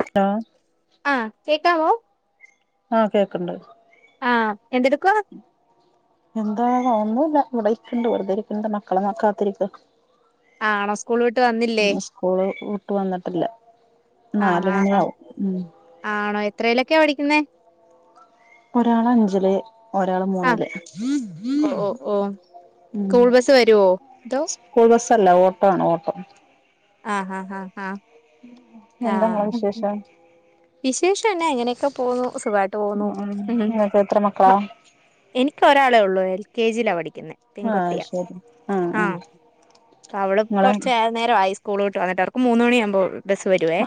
Hello ആഹ് കേക്കാമോ ആഹ കേക്കണ്ട് ആഹ് എന്തെടുക്കുവാ എന്താന്ന ഒന്നുല്ല ഇവിടെ ഇരിക്കിൻഡ് വെറുതെരിക്കും ഇണ്ട് മക്കളെങ്ങനെ കാത്തിരിക്ക ആഹ് ആണോ സ്കൂൾ വിട്ട് വന്നില്ലേ സ്കൂള് വിട്ട് വന്നിട്ടില്ല ആഹ് നാല് ആഹ് മണിയാവും ഉം ആണോ എത്രേലൊക്കെയ പഠിക്കുന്നേ ഒരാൾ അഞ്ചിൽ ഒരാള് ആഹ് മൂന്നില് ഓ ഓ ഓ ഉം സ്കൂൾ ബസ് വരുവോ അതോ സ്കൂൾ ബസ്സ് അല്ല ഓട്ടോ ആണ് ഓട്ടോ ആഹ് ആഹ ആഹ് ആഹ എന്താ ഇങ്ങളെ വിശേഷം വിശേഷം എന്നാ എങ്ങനെയൊക്കെ പോവുന്നു സുഖവായിട്ട് പോവുന്നു ഉം ഇങ്ങക്ക് എത്ര മക്കളാ ഉ എനിക്ക് ഒരാളെ ഉള്ളൂ എൽ കെ ജിയിലാ പഠിക്കുന്നേ ആഹ് പെൻകുട്ടിയാ ശരി ആഹ് ആഹ് ആഹ പ്പ അവള് ഇങ്ങളെ കൊർച്ച് നേരവായി സ്കൂള് വിട്ട് വന്നിട്ട് അവർക്ക് മൂന്ന് മണിയാവുമ്പോ ബസ് വരുവേ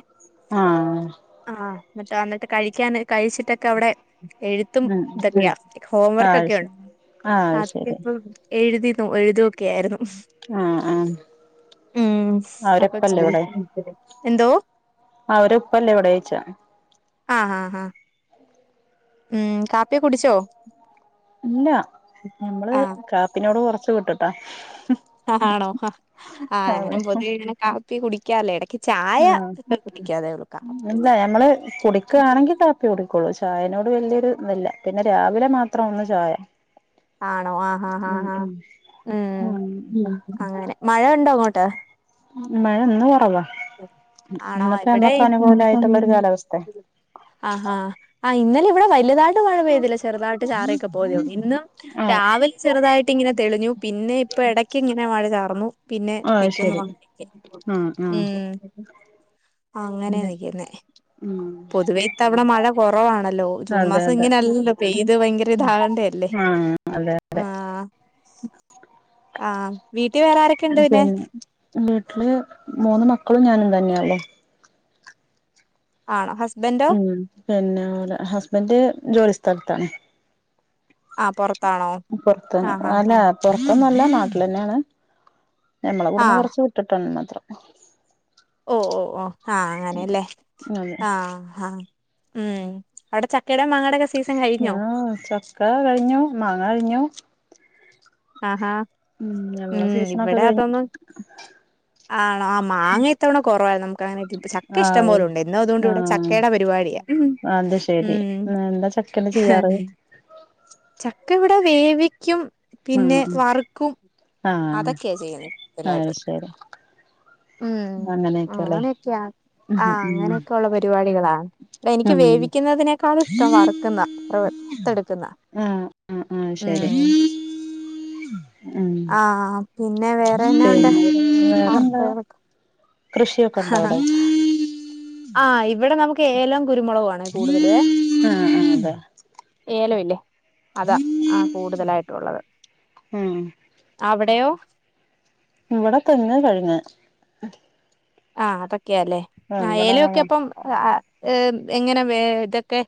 ആഹ് ആഹ ന്നിട്ടോ ന്നിട്ട് കഴിക്കാൻ കഴിച്ചിട്ടെ അവിടെ എഴുത്തും ഉം ഇതന്നെയാ ആഹ് ശരി ഹോംവർക്കൊക്കെയുണ്ട് ആഹ് അതൊക്കെ ശരി ഇപ്പോ എഴുതിന്നു എഴുതോ ക്കായിരുന്നു ആഹ് ആഹ് ഉം അവരെ അപ്പൊ ഇപ്പല്ലേ ശരി എന്തോ ആ അവരെ ഉപ്പല്ലേ ഇവിടെ ഓയ്ച്ച ആ ഹാ ഹാ ഉം കാപ്പിയൊകെകുടിച്ചോ ഇല്ല ഞമ്മള് ആഹ് കാപ്പിനോട് കൊറച്ച് വിട്ടിട്ടാ ഹാ ആണോ ആഹ് ഞാനും പൊതുവെ ഇങ്ങനെ കാപ്പി കുടിക്കാറില്ല എടക്ക് ആ കാപ്പി ഇല്ല ഞമ്മള് കുടിക്കാണെങ്കിൽ കാ പ്പിയെ ഓടിക്കള്ളൂ ചായനോട് വലിയൊരു ഇതില്ല പിന്നെ രാവിലെ മാത്രംആണ് ചായ ആണോ ആഹാ ഹാ ഉം ഹാ ഉം ഉം ഉ അങ്ങനെ മഴണ്ടോ അങ്ങോട്ട് മഴ ഇന്ന് കൊറവാ ആണോ ഇന്നത്തെ അമ്മക്കനുകൂലായിട്ടുള്ള ഒരു കാലാവസ്തേ ആഹ് ഹാ ആഹ ഇന്നലെ ഇവിടെ വലുതാഴ ഴിട്ട് മഴ പെയ്തില്ല ചെറുതായിട്ട് ചാറിയൊക്കെ പോയതെ ഒള്ളു ഇന്ന് ആഹ് രാവി ചെറുതായിട്ട് ഇങ്ങനെ തെളിഞ്ഞു പിന്നെ ഇപ്പ എടയ്ക്ക് ഇങ്ങനെ മഴ ചാർന്നു പിന്നെ നി ആഹ് [unintelligible] ശരി ക്കുന്നുണ്ട ആഹ് ആഹ് ഉം അങ്ങനെ പിന്നെ നിക്ക്‌ന്നേ ഉം പൊതുവെ വടെ മഴ കുറവാണല്ലോ ജൂൺ അതെ മാസം അതെ ഇങ്ങനെയല്ലല്ലോ പെയ്ത് ഭയങ്കര ഇതാകണ്ട അല്ലേ ആഹ് അതെ ആഹ് ആഹ വീട്ടി വേറെ ആരൊക്കെണ്ട് പിന്നെ വീട്ടില് മൂന്ന് മക്കളും ഞാനും തന്നെയൊള്ളു ആണോ ഹസ്ബന്റോ ഉം പിന്നെ അവടെ ഹസ്ബന്ഡ് ജോലിസ്ഥലത്താണ് ആ പൊറത്താണോ പുറത്തന്ന അല്ല പൊറത്തൊന്നല്ല നാട്ടിലന്നെണ് ഞമ്മളെ ഇവ്ട്ന്ന് ആഹ് കൊറച്ച് വിട്ടിട്ടൊള്ളുമാത്രം ഓ ഓ ഓ ആഹ അങ്ങനെല്ലേ അതെ ആഹ് ആഹ് ഉം അവിടെ ചക്കയുടെയും മാങ്ങയുടെയും ആഹ് ചക്ക കഴിഞ്ഞു മാങ്ങ കഴിഞ്ഞു ആഹ് ഹാ ഉം ഞങ്ങളെ സീസണൊക്കെ കഴിഞ്ഞു ആണോ ആ മാങ്ങേത്തവണ കുറവാണ് നമുക്ക് അങ്ങനെ ഇ ആ ആണോ മാങ്ങ ഇത്തവണ കൊറവ നമുക്കങ്ങനെ ചക്ക ആയി ഇഷ്ടപോലുണ്ട് ഇന്നോ അതുകൊണ്ട് ഇവിടെ ആഹ് ചക്കയുടെ പരിപാടിയാ ഉം അത് ശരി ഉം എന്താ ചക്കണ്ട് ഉം. ചെയ്യാറ് ചക്ക ഇവിടെ വേവിക്കും പിന്നെ ആഹ് വറക്കും ആഹ് അതൊക്കെയ ചെയ്യുന്നത് ആഹ് അത് കൂടുതലായിട്ടും ശരി ഉം അങ്ങനെയൊക്കെല്ലേ അങ്ങനെയൊക്കെയ ഉം ആഹ് അങ്ങനെയൊക്കെള്ള പരിപാടികളാ എനിക്ക് ഉം വേവിക്കുന്നതിനേക്കാള് ഇഷ്ടം വറുക്കുന്നാ ഉം വർത്തെടുക്കുന്നാതാ ആഹ്, ആഹ് ശെരി. ആഹ് പിന്നെ വേറെ എന്നാ ഉണ്ട് വാർത്ത വേറെന്താ കളൊക്ക്? കൃഷിയൊക്കെ ഇണ്ടോ അവിടെ? ആഹ്, ഇവിടെ നമുക്ക് ഏലം, കുരുമുളകു ആണെ കൂടുതലുവെ. ആഹ് ആഹ് അതെ ഏലമില്ലേ അതാ ആഹ് കൂടുതലായിട്ടുള്ളത്. ഉം അവിടെയോ? ഇവിടെ തെങ്ങ്, കവിങ്ങ്. ആഹ് അതൊക്കെയാല്ലേ, ആഹ് ഏലയൊക്കെ ഇപ്പം ആഹ് ഏഹ് എങ്ങനെ വേ [unintelligible] ക്കെ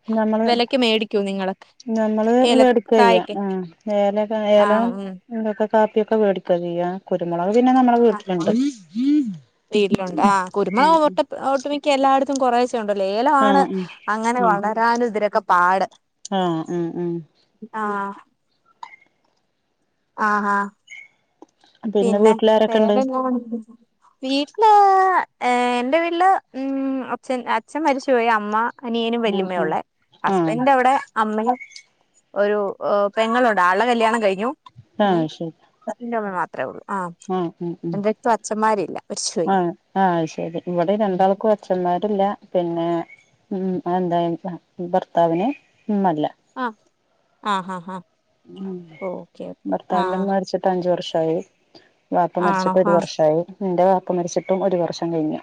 വെലക്ക് മേടിക്കോ നിങ്ങള്? ഞമ്മള് മേടിക്ക് ചെയ്യ്, ആഹ് ഏല ആണോ ഉം [unintelligible] എന്തൊക്കെ കാപ്പിയൊക്കെ വേടിക്ക് ചെയ്യാ കുരുമുളക് പിന്നെ നമ്മള വീട്ടില്ണ്ട്. ആഹ് ഉം ഉം. പ്പ ഒട്ടുമിക്ക എല്ലാട്ത്തും കൊറേശെ ക്കണ്ടല്ലോ ഏല ആണ് ആഹ് ഉം അങ്ങനെ ഉം വളരാനും ഇതിരൊക്ക പാട്. ആഹ് ഉം ഉം ആഹ് ആഹ്, ആഹ്. പിന്നെ, വീട്ടിലാരൊക്കെ വേറെ ഉണ്ട് എന്നാ ഉണ്ട് വീട്ടില് ഏഹ് എന്റെ വീട്ടില് ഉം അച്ഛൻ അച്ഛൻ മരിച്ചുപോയി അമ്മ അനിയനും വല്ല്യമ്മേ ഉള്ളേ, ആഹ് ആഹ് ഹസ്ബന്റവിടെ അമ്മയും ഒരു ഓഹ് പെങ്ങളുണ്ട്, ആൾടെ കല്ല്യാണം കഴിഞ്ഞു. ആഹ് പിന്നെ, ആഹ് ശരി കസിന്റമ്മ മാത്രേ ഒള്ളൂ. ആഹ്, ഉം ഉം മരിച്ചുപോയി ആഹ് ആഹ് അയ് ശെരി ഇവിടെ രണ്ടാള് ഇൻക്കു എളച്ചന്മാരില്ല, പിന്നെ ഉം, അതെന്താ എനിക്ക് [unintelligible] ഭർത്താവിനെ ഇമ്മല്ല. ആഹ് ആഹ് ആഹ് ആഹ് ഉം ഓക്കെ ഓക്കെ ഭർത്താവിന്റെ ആഹ് ഇമ്മ മരിച്ചിട്ട് അഞ്ച് വർഷായി, വാപ്പ ആണോ മരിച്ചിട്ട് ഒരു ആഹ് വർഷായി. ഇൻ്റെ വാപ്പ മരിച്ചിട്ടും ഒരു വർഷം കഴിഞ്ഞ്.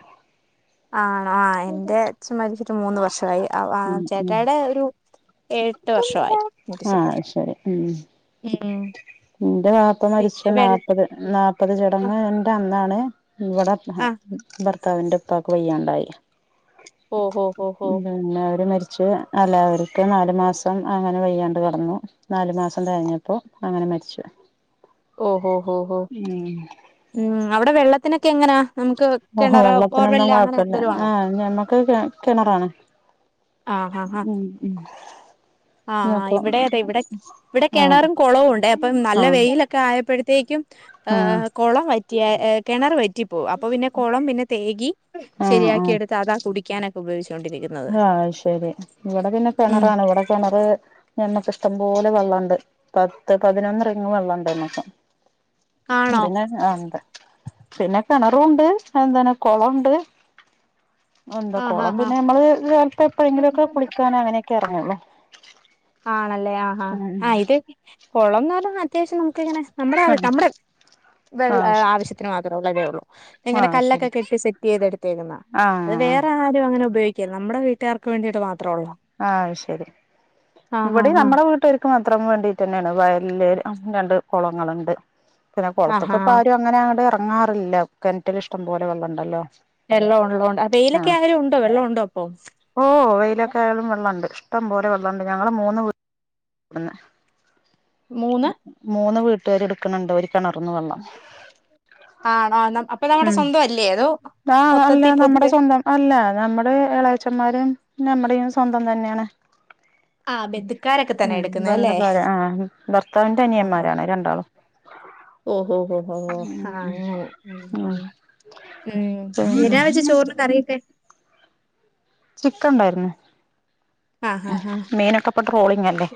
ആണോ, ആഹ് എന്റെ അച്ഛൻ മരിച്ചിട്ട് മൂന്ന് വർഷമായി. അവ ഉം ഉം ചേട്ടായിടെ ഒരു ഏഴെട്ട് വർഷമായി ആഹ്, മരിച്ചിട്ട് അഹ് ശെരി, ഉം. ഉം ഇന്റ വാപ്പ മരിച്ച് പിന്നെ നാല്പ്ത്, വെ നാല്പത് ആ ചടങ്ങ്ന്റെ അന്നാണ് ഇവിടെ ഹെ ആ ഭർത്താവിന്റെ ഭർത്താവിന്റെ ഉപ്പാക്ക് വയ്യാണ്ടായി. ഓഹ്, ഓഹ്, ഓഹ്, ഓഹ്. പിന്നെ അവര് മരിച്ച് അല്ല അവര്ക്ക് നാ ല് മാസം അങ്ങനെ വയ്യാണ്ട് കെടന്നു. നാല് മാസം കഴിഞ്ഞപ്പോ അങ്ങനെ മരിച്ചു. ഓഹ്, ഓഹ്, ഓഹ്, ഓഹ് ഉം അവിടെ വെള്ളത്തിനൊക്കെ എങ്ങനാ? നമുക്ക് ഓഹോ കിണറോ വെള്ളത്തിനൊന്നും ബോർവെല്ലാ അങ്ങനെ കൊഴപ്പല്ല എന്തേലു ആണോ? ആഹ് ഞമ്മക്ക് കെ കിണറാണ് ആഹ് ആഹ് ആഹ്. ഉം ഉം ആഹ്, ആഹ് നോക്കോ ഇവിടെ അതെ ഇവിടെ ഇവിടെ ആഹ് കെണറും കൊളവും ഉണ്ടേ അപ്പം നല്ല ആഹ് വെയില് ക്കായപ്പഴ്ത്തേക്കും ആഹ് ഏഹ് കൊളം വറ്റിയെ ഏഹ് കെണറ് വറ്റിപ്പോവും, അപ്പോ പിന്നെ കൊളം പിന്നെ തേഗി ആഹ് ശെരിയാക്കി ആഹ് എട് ത്ത് അതാ കുടിക്കാനൊക്കെ ഉപയോഗിച്ചോണ്ടിരി ആഹ് ശെരി ഇവിടെ പിന്നെ ഉം കെണറാണ് ഇവിടെ കെണറ് ഞമ്മക്ക് ഇഷ്ടംപോല വെള്ളണ്ട് പത്ത് പതിനൊന്നര റിങ്ങ് വെള്ളണ്ടാരുന്നു മ്മക്ക് ഉം ആണോ പിന്നെ ആഹ് എന്താ പിന്നെ കെണറും ഒണ്ട് എന്താണ് കൊളോണ്ട് എന്താ ആ ഹാ കൊളം ഹാ പിന്നെ ഞമ്മള് കാലത്ത് എപ്പഴെങ്കിലും ഒക്ക കുളിക്കാനോ അങ്ങനെയൊക്കെ എറങ്ങുള്ളു ആണല്ലേ ആഹ് ഹാ ആഹ് ഇത് കൊളംന്ന് പറഞ്ഞാ അത്യാവശ്യം നമുക്കിങ്ങനെ നമ്മുടെ നമ്മുടെ ആ വെള്ള ആവശ്യ ത്തിന് മാത്രോ ഉള്ളതേ ഉള്ളൂ ആ ആ ഇങ്ങനെ കല്ലൊക്കെ ശരി കെട്ടി സെറ്റ് ചെയ്തെടുത്തേക്ക്ന്നാ ആ അത് വേറെ ആരും അങ്ങനെ ഉപയോഗിക്കില്ല നമ്മടെ വീട്ടുകാർക്ക് വേണ്ടീട്ട് മാത്ര ഉള്ളാ ആയ് ശരി ഇവിടെ ആഹ് ആഹ് നമ്മുടെ വീട്ടര് ക്ക് മാത്രം വേണ്ടിട്ടെന്നെയാണ് വല്ല്യോരു രണ്ട് കൊളങ്ങളുണ്ട് പിന്നെ ആഹ് കൊളത്ക് ആഹ് ഇപ്പാരു ങ്ങനെ അങ്ങട് എറങ്ങാറില്ല കെണറ്റിൽ ഇഷ്ടം പോലെ വെള്ളണ്ടല്ലോ വെള്ളം ഒള്ളോണ്ട് അ വെയിലൊക്കെ അയൊരു ഉണ്ടോ വെള്ളം ഉണ്ടോ ഇപ്പോ ഓ വെയിലൊക്കെ ആയതും വെള്ളണ്ട് ഇഷ്ടം പോലെ വെള്ളണ്ട് ഞങ്ങള് മൂന്ന് വീ പിന്നെ മൂന്ന് മൂന്ന് വീട്ടുകാര് എടുക്കണണ്ട് ഒരു കിണർന്ന് വെള്ളം ആണോ ന്ന അപ്പൊ നമ്മുടെ ഉം സ്വന്ത അല്ലേ അതോ ആഹ് അല്ല മൊത്തത്തി നമ്മുടെ പൊതുവെ സ്വന്തം അല്ല നമ്മുടെ എളേച്ചന്മാരും നമ്മുടെയും സ്വന്തം തന്നെയാണ് ആഹ് ബന്ധുക്കാരൊക്കെ തന്നെ ഉം എടുക്കുന്നത് അല്ലേ ബന്ധള്ളോരാ ആഹ് ഭർത്താവിന്റെ അനിയന്മാരാണ് രണ്ടാളും ഓഹോ ഹോ ഹോ ഹോ അങ്ങനെ ഉം ആഹ് ഉം പിന്നെ വിരാ വെച്ച് ചോറിന് കറിയൊക്കെ ചിക്കൻണ്ടായിര്ന്ന് ആഹ് ആഹ് ആഹ് മീൻ ഒക്കെപ്പ ട്രോളിങല്ലേ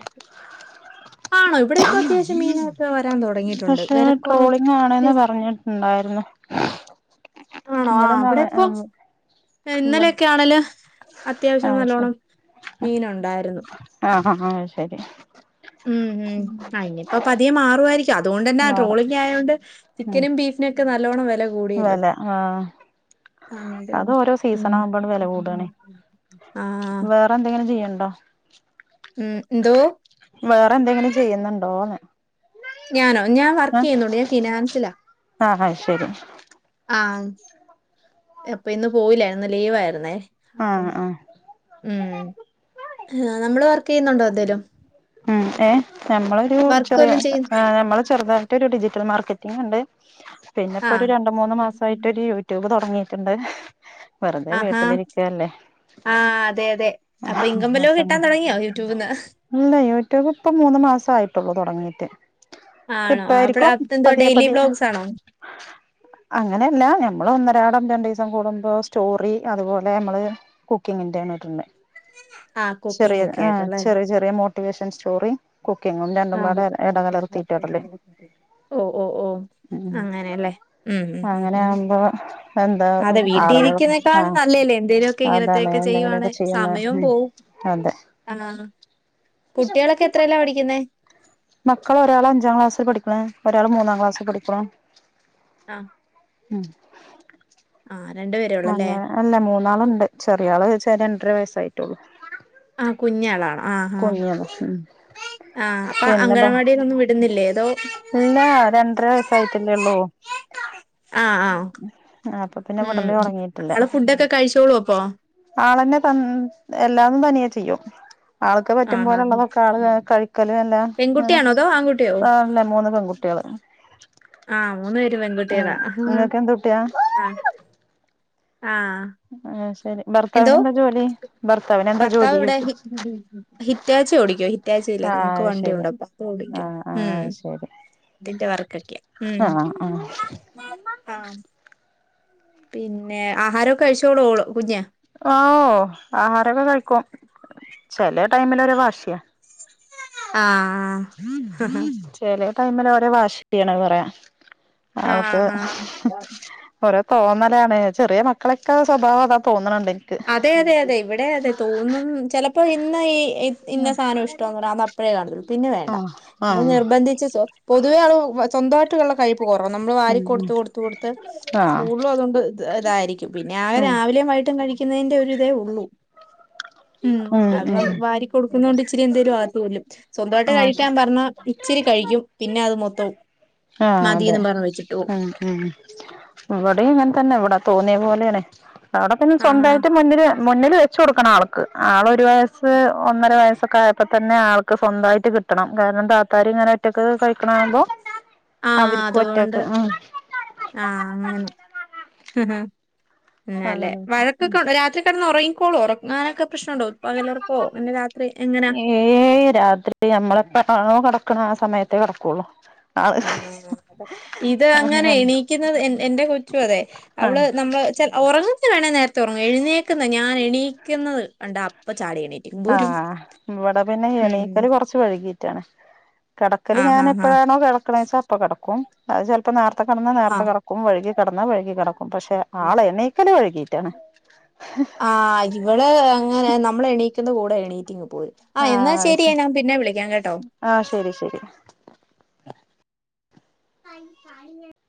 ആണോ ഇവിടെ ഇപ്പൊ അത്യാവശ്യം മീനൊക്കെ വരാൻ തുടങ്ങിയിട്ടുണ്ട് പക്ഷെ വിലക്കുറവ് ട്രോളിംഗ് ആണെന്ന് [unintelligible] പറഞ്ഞിട്ടുണ്ടായിരുന്നു ആണോ ആഹ് ഇവിടെന്ന് ഇവിടെപ്പൊ എഹ് ഇവ ഇന്നലെയൊക്കെയാണെല് അത്യാവശ്യം ആഹ് ശരി നല്ലോണം മീന് ഉണ്ടായിരുന്നു ആഹ് ഹ ഹാ അഹ് ശരി ഉം ഉം അയിനി ഇപ്പ പതിയെ മാറുമായിരി ക്കു അതുകൊണ്ടന്നാ മാറും ട്രോളിംഗ് ആയോണ്ട് ഉം ചിക്കനും ബീഫിനും ഒക്കെ നല്ലോണം വില കൂടി വെല ആഹ് അതെ അതെ അത് ഓരോ സീസൺ ഉം ആവുമ്പോണ് വെല കൂടാണേ ആ വേറെ എന്തെങ്കിലും ചെയ്യണ്ടോ ഉം ന്തോ വേറെ എന്തെങ്കിലും ചെയ്യുന്നുണ്ടോന്ന് ഞാനോ ഞാൻ വർക്ക് ഏഹ് ചെയ്യുന്നുണ്ട് ഞാൻ ഫിനാൻസിലാ ആഹ് അഹ് ശരി ആഹ് അപ്പൊ ഇന്ന് പോയില ഇന്ന് ലീവായിരുന്നേ അപ്പൊ ആഹ് ആഹ് ഉം നമ്മള് വർക്കയ്യുന്നുണ്ടോ എന്തേലും ഉം ഏഹ് നമ്മളൊരു വർക്ക് ചെറിയ വല്ലോം ചെയ്യു നമ്മള് ചെറുതായിട്ടൊരു ഡിജിറ്റൽ മാർക്കറ്റിംഗ് ഉണ്ട്. ആ പിന്നെപ്പോ ഒരു രണ്ട് മൂന്ന് മാസായിട്ട് ഒരു യു ട്യൂബ് തുടങ്ങിയിട്ടുണ്ട് വെറുതെ ആഹ് ഹാ വീട്ടിലിരിക്കല്ലേ അതെ അതെ അപ്പൊ ഇൻകം വല്ലോ അപ്പ കിട്ടാൻ തുടങ്ങിയോ യൂട്യൂബിൽന്ന് ഇല്ല യൂട്യൂബ് ഇപ്പ മൂന്ന് മാസം ആയിട്ടുള്ളു തുടങ്ങീട്ട് ആണോ അവിടെ അത് എന്തോ ഡെയിലി പതിയെ വ്ലോഗ്സ് ആണോ അങ്ങനെയല്ല ഞമ്മള് ഒന്നരാടം രണ്ടീസം കൂടുമ്പോ സ്റ്റോറി അതുപോലെ അമ്മള് കുക്കിങ്ങിന്റെയാണ് ഇടണ്ടേ ആഹ് കുക്കിംഗ് ഒക്കെ ആയിട്ട്ള്ളെയല്ലേ ചെറിയ മോട്ടിവേഷൻ സ്റ്റോറി കുക്കിങ്ങും ആഹ് രണ്ടുംപാടെ എട കലർത്തിയിട്ടാ ഇടല് ഓ ഓ ഓ ഉം അങ്ങനെയല്ലേ ഉം ഉം ഉം അങ്ങനെ ഉം ആകുമ്പോ എന്താ അതെ ആളുകൾ വീട്ടിലിരിക്കുന്നേക്കാൾ ആഹ് നല്ലല്ലേ എന്തേലുമൊക്കെ അതാണെ ഇങ്ങനത്തെയൊക്കെ ചെയ്യുവാണെ എന്തെങ്കിലൊക്കെ ചെയ്യുന്ന സമയവും ഉം പോവും അതെ ആഹ് കുട്ടികളൊക്കെ എത്രേലാ പഠിക്കുന്നേ? മക്കള് ഒരാള് അഞ്ചാം ക്ലാസ്സിൽ പഠിക്ക്‌ണ് ഒരാള് മൂന്നാം ക്ലാസ്സിൽ പഠിക്കണു ആഹ് ഉം ആഹ് രണ്ടു പേരേ ഒള്ളല്ലേ അല്ലാ മൂന്നാള്ണ്ട് ചെറിയാള് ചെ രണ്ടര വയസ്സായിട്ടോള്ളു ആഹ് കുഞ്ഞാളാ ആഹ് ആഹ് കുഞ്ഞാണ് ഉം ആഹ് അപ്പൊ അംഗനവാടീലൊന്നും വിടുന്നില്ലേ അതോ ഇല്ലാ രണ്ടര വയസ്സായിറ്റല്ലേ ഇള്ളൂ ആഹ് ആഹ് ആഹ് അപ്പൊ പിന്നെ ഉം വിടല് തൊടങ്ങിയിറ്റില്ലാ ആള് ഫുഡ് ഒക്കെ കഴിച്ചോളുവോ അപ്പോ ആളെന്നെ ത എല്ലാന്നും തനിയെ ചെയ്യും ആൾക്ക് പറ്റും ആഹ് പോലെ ആഹ് ഇള്ളതൊക്കെ ആള് കഴിക്കലും എല്ലാം അങ്ങനെ പെൺകുട്ടിയാണോ അതോ ആൺകുട്ടിയോ [unintelligible] മൂന്ന് പെൺകുട്ടികള് ആഹ് മൂന്നു പേര് ഉം പെൺകുട്ടികളാ ആഹ് നിങ്ങൾക്ക് എന്ത് കുട്ടിയാ ആഹ് ആഹ് [unintelligible] എന്തോ ഭർത്താവിന് എന്താ ജോലി ഭർത്താവിന് എന്താ ഭർത്താവ് ജോലി ഇവിടെ ചോയ്ക്കും ഹി ഹിറ്റാച്ചി ഓടിക്കുവാ ഹിറ്റ് ഹിറ്റാച്ചി ഇല്ലേ ആഹ് നമ്മക്ക് അത് വണ്ടി ശരി ഒണ്ടപ്പം അപ്പോ ഓടിക്കും ആഹ് ഉം ആഹ് ശരി അതിന്റെ വർക്കൊക്കെയാ ഉം ആഹ് ആഹ് ആഹ് പിന്നെ ആഹാരവൊക്കെ കഴിച്ചോളുവോ ഓള് കുഞ്ഞ് ഓഹ് ആഹാരൊക്കെ കഴിക്കും ചെല ടൈമിലൊരു വാശിയാ ആഹ് ആഹ് ചെലെ ടൈമില് ഓരോ വാശി [unintelligible] പറയാ അവക്ക് ആഹ് ആഹ് ഓരോ തോന്നലാണ് ചെറിയ മക്കളെയൊക്കെ സ്വഭാവം അതാ തോന്നണണ്ട് എനി അതെ അതെ അതെ ഇവിടെ അതെ തോന്നും ചെലപ്പോ ഇന്ന് ഈ ഇന്ന സാധനം ഇഷ്ട്ടവാന്ന് പറയും അതപ് അപ്പഴേ കാണത്തുള്ളൂ പിന്നെ വേണ്ടാ ആഹ് പിന്നെ ആഹ് നിർബന്ധിച്ച് സോ പൊതുവെ ആള് വ സ്വന്തമായിട്ട് ഒള്ള കഴിപ്പ് കൊറവ നമ്മള് വാരി ഉം ഉം കൊടുത്ത് കൊടുത്ത് കൊടുത്ത് ആഹ് സ്കൂളിലും അതുകൊണ്ട് ഇത് ഇതായിരിക്കും പിന്നെ ആകെ രാത് രാവിലെയും വൈയിട്ടും കഴിക്കുന്നേന്റെ ഒര് ഇതേ ഒള്ളൂ ഉം അത് നമ് വാരി കൊടുക്കുന്ന കൊണ്ട് ഇച്ചിരി എന്തേലും അകത്ത് ചെല്ലും സ്വന്തവായിട്ട് ആഹ് കഴിക്കാൻ ശരി പറഞ്ഞാ ഇച്ചിരി കഴിക്കും പിന്നെ അത് മൊത്തോം ആഹ് അതെ ഉം ഉം ഇവിടേം ഇങ്ങനെ തന്നെ ഇവിടെ തോന്നിയ പോലെയാണെ അവിടെ പിന്നെ ആഹാ സ്വന്തായിട്ട് മുന്നില് മുന്നില് വെച്ച് കൊടുക്കണം ആൾക്ക് ആള് ഒറ്റ് ഒരു വയസ്സ് ഒന്നര വയസ്സൊക്കെ ആയപ് ഇപ്പ തന്നെ ആൾക്ക് സ്വന്തായിട്ട് കിട്ടണം കാരണം താത്താര് ഇങ്ങനെ ഒറ്റക്ക് കഴിക്കണ കാണുമ്പോ ആഹ് അതുകൊണ്ട് ആഹ് അങ്ങനെ. ആല്ലേ അങ്ങനെ വഴക്കൊക്കെ രാത്രി കിടന്ന് ഉറങ്ങിക്കോളൂ ഉറങ്ങാനൊക്കെ പ്രശ്ന ഉണ്ടോ പകല്‍ ഒറക്കമോ രാത്രി എങ്ങനാ ഏയ് രാത്രി നമ്മള എപ്പഴാണോ കിടക്കണ ആ സമയത്തേ കിടക്കുള്ളു ആ ഇത് അങ്ങനെ എണീക്കുന്നത് എന്റെ കൊച്ചു അതെ ആ അവള് നമ്മൾ ഉറങ്ങുന്നത് വേണ നേരത്തെ ഉറങ്ങും എഴുന്നേക്കുന്നത് ഞാൻ എണീക്കുന്നത് കണ്ടാ അപ്പൊ ചാടി എണി ആഹ ഇവിടെ പിന്നെ ഉം എണീക്കല് വഴകിട്ടാണ് കിടക്കല് ആഹ് ഞാൻ ആഹ് ആഹ് എപ്പോഴാണോ കിടക്ക വെച്ചാ അപ്പ കിടക്കും അത് ചിലപ്പോം നേരത്തെ കിടന്ന് നേരത്തെ ആഹ് കിടക്കും വഴുകി കിടന്ന് വഴുകി കടക്കും പക്ഷെ ആള എണ്ണീക്കല വഴുകി വഴകിട്ടാണ് ആഹ് ഇവിടെ അങ്ങനെ നമ്മൾ എണീക്കുന്ന കൂടെ എണീറ്റിങ് പോരും ആഹ് എന്നാ ശരിയ ഞാ പിന്നെ വിളിക്കാം കേട്ടോ ആഹ് ശരി ശരി [inaudible]